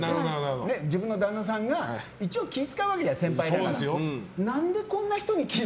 で、自分の旦那さんが一応、気を使うわけじゃん先輩だから。